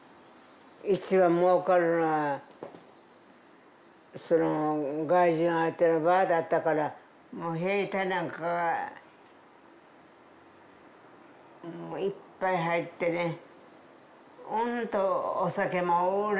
一番もうかるのはその外人相手のバーだったからもう兵隊なんかがいっぱい入ってねうんとお酒も売れた。